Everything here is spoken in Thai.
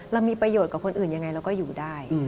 เรามีประโยชน์กับคนอื่นยังไงเราก็อยู่ได้